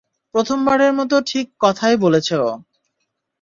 প্রথমবারের মতো ঠিক কথাই বলেছে ও।